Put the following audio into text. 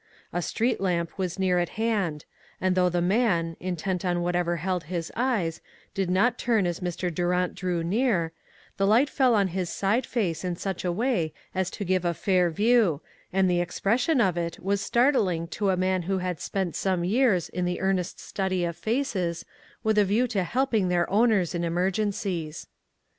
A street lamp was near at hand, and though the man, intent on whatever held his eyes, did not turn as Mr. Durant drew nearer, the light fell on his side face in such a way as to give a fair view and the expression of it was startling to a man who had spent some years in the earnest study of faces, with a view to helping their owners in emergencies.